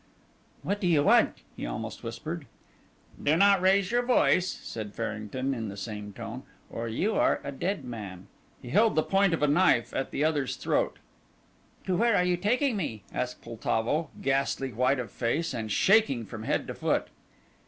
"What do you want?" he almost whispered. "Do not raise your voice," said Farrington in the same tone, "or you are a dead man." He held the point of a knife at the other's throat. "To where are you taking me?" asked Poltavo, ghastly white of face and shaking from head to foot.